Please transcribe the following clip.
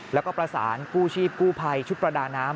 แล้วก็ประสานกู้ชีพกู้ภัยชุดประดาน้ำ